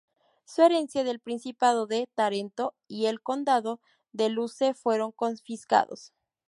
Su herencia del Principado de Tarento y el Condado de Lecce fueron confiscados.